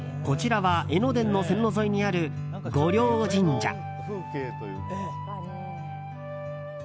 こちらは江ノ電の線路沿いにある御霊神社。